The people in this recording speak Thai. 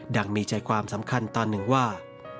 ยังมีใจความสำคัญตอนหนึ่งว่า